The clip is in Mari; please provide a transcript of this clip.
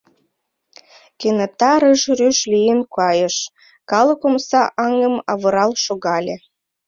Кенета рыж-рӱж лийын кайыш, калык омса аҥым авырал шогале.